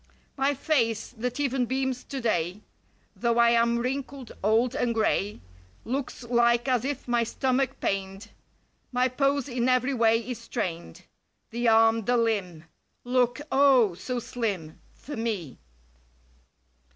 My face, that even beams today. Though I am wrinkled, old and gray, Looks like as if my stomach pained. My pose in every way is strained. The arm, the limb. Look O, so slim— For me.